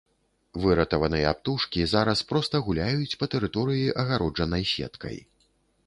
Выратаваныя птушкі зараз проста гуляюць па тэрыторыі, агароджанай сеткай.